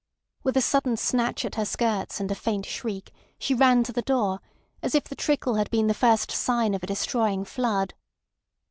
With a sudden snatch at her skirts and a faint shriek she ran to the door, as if the trickle had been the first sign of a destroying flood.